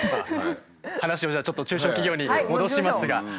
話をじゃあちょっと中小企業に戻しますが。